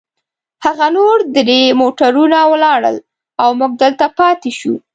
هغه نور درې موټرونه ولاړل، او موږ دلته پاتې شوو.